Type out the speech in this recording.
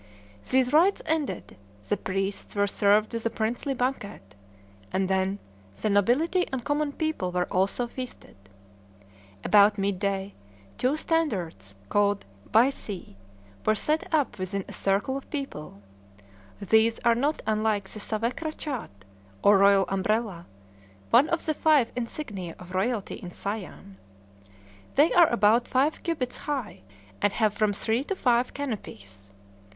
These rites ended, the priests were served with a princely banquet; and then the nobility and common people were also feasted. About midday, two standards, called baisêe, were set up within a circle of people. These are not unlike the sawekra chât, or royal umbrella, one of the five insignia of royalty in Siam. They are about five cubits high, and have from three to five canopies.